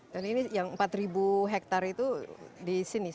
dan ini yang empat hektare itu di sini